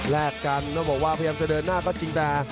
แรกกันต้องบอกว่าพยายามจะเดินหน้าก็จริงแต่